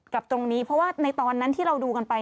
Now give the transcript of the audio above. ตรงนี้เพราะว่าในตอนนั้นที่เราดูกันไป